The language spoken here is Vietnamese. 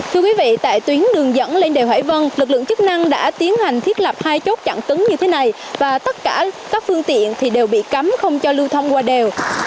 thưa quý vị tại tuyến đường dẫn lên đèo hải vân lực lượng chức năng đã tiến hành thiết lập hai chốt chặn tấn như thế này và tất cả các phương tiện thì đều bị cấm không cho lưu thông qua đèo